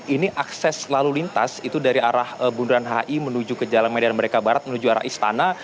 ini akses lalu lintas itu dari arah bundaran hi menuju ke jalan medan merdeka barat menuju arah istana